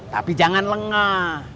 tapi jangan lengah